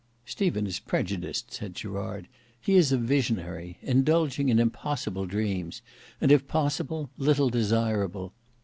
"Stephen is prejudiced," said Gerard. "He is a visionary, indulging in impossible dreams, and if possible, little desirable.